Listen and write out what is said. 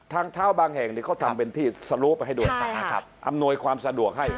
ทางเท้าบางแห่งนี่เขาทำเป็นที่สะลูกไปให้ด้วยอำนวยความสะดวกให้